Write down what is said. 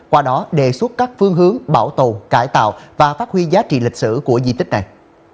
qua đó đề xuất các phương hướng bảo tồn cải tạo và phát huy giá trị lịch sử của di tích này